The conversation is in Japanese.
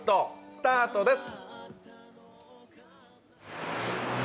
スタートです。